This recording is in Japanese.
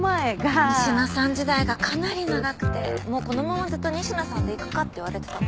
仁科さん時代がかなり長くてもうこのままずっと仁科さんでいくかって言われてたの。